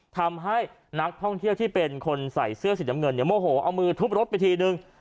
ทำให้นักท่องเที่ยวที่เป็นคนใส่เสื้อสีน้ำเงินเนี่ยโมโหเอามือทุบรถไปทีนึง